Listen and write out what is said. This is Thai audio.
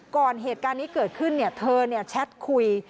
เหตุการณ์นี้เกิดขึ้นเธอแชทคุย